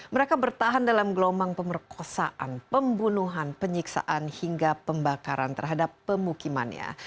mereka bertahan dalam gelombang pemerkosaan pembunuhan penyiksaan hingga pembakaran terhadap pemukimannya